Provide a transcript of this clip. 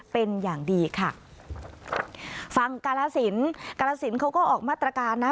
เป็นอย่างดีค่ะฟังกาลสินกาลสินเขาก็ออกมาตรการนะ